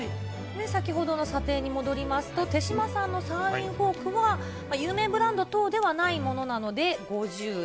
先ほどの査定に戻りますと、手嶋さんのサーディンフォークは有名ブランド等ではないものなので５０円。